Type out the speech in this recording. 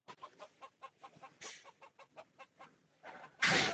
Následovaly ho pokročilejší stroje Handley Page Victor a Avro Vulcan.